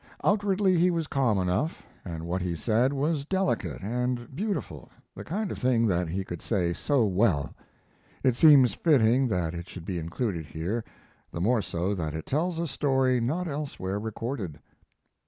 Outwardly he was calm enough, and what he said was delicate and beautiful, the kind of thing that he could say so well. It seems fitting that it should be included here, the more so that it tells a story not elsewhere recorded.